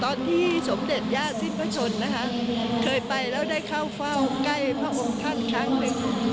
ตอนที่สมเด็จยาสินประชุนนะคะเคยไปแล้วได้เข้าเฝ้ากล้ายพระองค์ท่านครั้งนึง